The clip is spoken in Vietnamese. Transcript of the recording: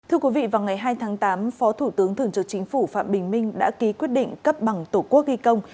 thưa quý vị vào ngày hai tháng tám phó thủ tướng thường trực chính phủ phạm bình minh đã ký quyết định cấp bằng tổ quốc ghi công